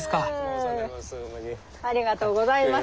ありがとうございます。